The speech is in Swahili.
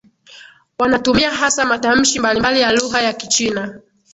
Wanatumia hasa matamshi mbalimbali ya lugha ya Kichina